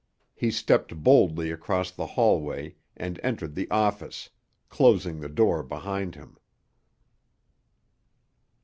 He stepped boldly across the hallway and entered the office, closing the door behind him.